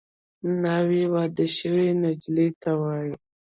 ناوې واده شوې نجلۍ ته وايي